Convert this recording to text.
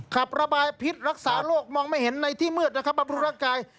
ขับระบายพิษรักษาโรคมองไม่เห็นในที่มืดบรรพุทธรรมกาย